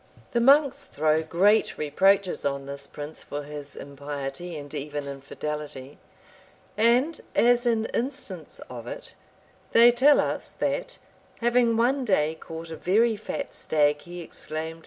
The monks throw great reproaches on this prince for his impiety, and even infidelity; and as an instance of it, they tell us that, having one day caught a very fat stag, he exclaimed, "How plump and well fed is this animal!